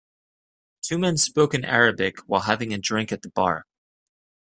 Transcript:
Two men spoke in Arabic while having a drink at the bar.